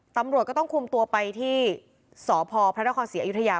ตำรวจก็ต้องคุมตัวไปที่สพพระนครศรีอยุธยา